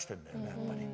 やっぱり。